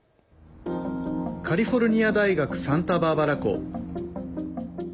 カリフォルニア大学サンタバーバラ校。